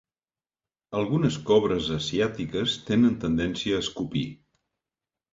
Algunes cobres asiàtiques tenen tendència a escopir.